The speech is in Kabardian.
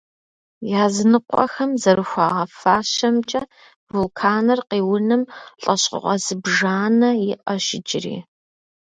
Языныкъуэхэм зэрыхуагъэфащэмкӏэ, вулканыр къиуным лӏэщӏыгъуэ зыбжанэ иӏэщ иджыри.